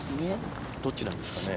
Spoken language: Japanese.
どっちなんですかね。